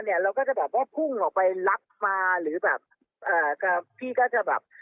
เราก็จะแบบว่าพุ่งออกไปรับมาหรือแบบพี่ก็จะแบบ